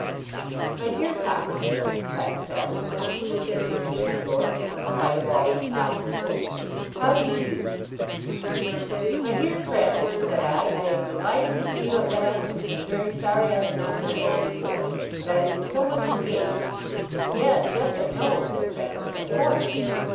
'My dear Copperfield,' cried Traddles, punctually appearing at my door, in spite of all these obstacles, 'how do you do?' 'My dear Traddles,' said I, 'I am delighted to see you at last, and very sorry I have not been at home before. But I have been so much engaged ' 'Yes, yes, I know,' said Traddles, 'of course.